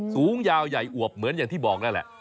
สูงยาวใหญ่อวบเหมือนที่บอกแล้วแหละ